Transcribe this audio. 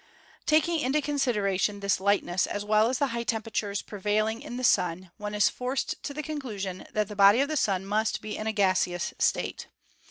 Taking into consideration this light ness as well as the high temperatures prevailing in the Sun y one is forced to the conclusion that the body of the Sun must be in a gaseous state.